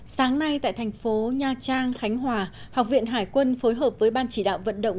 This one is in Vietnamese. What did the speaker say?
sáng nay tại thành phố nha trang khánh hòa học viện hải quân phối hợp với ban chỉ đạo vận động